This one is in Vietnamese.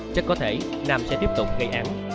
chắc có thể nam sẽ tiếp tục gây án